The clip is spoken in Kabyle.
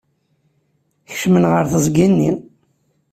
Kecmen ɣer teẓgi-nni.